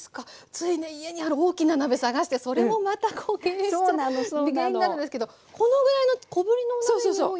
ついね家にある大きな鍋探してそれもまた敬遠しちゃう原因になるんですけどこのぐらいの小ぶりのお鍋でもいいんですね。